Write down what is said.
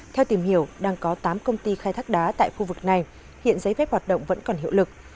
theo tìm hiểu đang có tám công ty khai thác đá tại khu vực này hiện giấy phép hoạt động vẫn còn hiệu lực